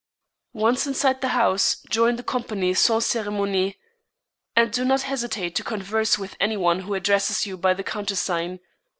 Once inside the house, join the company sans céremonie; and do not hesitate to converse with any one who addresses you by the countersign.